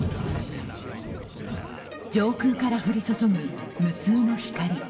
上空から降り注ぐ無数の光。